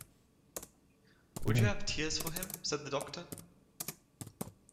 'Would you have tears for him?’ said the doctor.